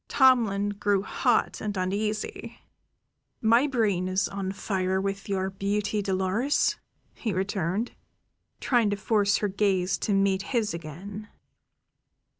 Tomlin grew hot and uneasy. "My brain is on fire with your beauty, Dolores," he returned, trying to force her gaze to meet his again.